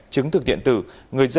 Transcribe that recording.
chứng thực điện tử